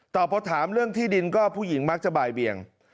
แต่พอถามเรื่องที่ดินก็ผู้หญิงมักจะบ่ายเบียง